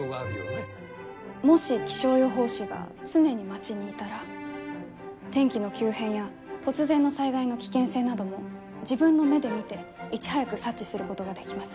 もし気象予報士が常に町にいたら天気の急変や突然の災害の危険性なども自分の目で見ていち早く察知することができます。